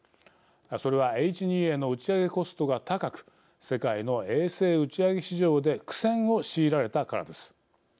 それはＨ２Ａの打ち上げコストが高く世界の衛星打ち上げ市場で苦戦を強いられたからです。